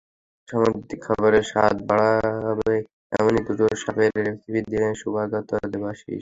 সামুদ্রিক খাবারের স্বাদ বাড়াবে এমনই দুটো সসের রেসিপি দিলেন শুভাগতা দেবাশীষ।